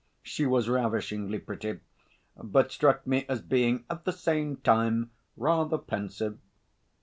She was ravishingly pretty, but struck me as being at the same time rather pensive.